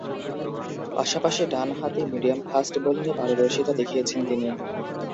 পাশাপাশি ডানহাতি মিডিয়াম-ফাস্ট বোলিংয়ে পারদর্শীতা দেখিয়েছেন তিনি।